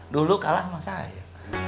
dulu kalah sama saya